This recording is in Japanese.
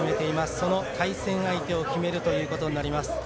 その対戦相手を決めるということになります。